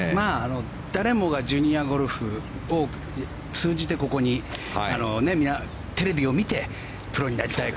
誰もがジュニアゴルフを通じてここに、テレビを見てプロになりたい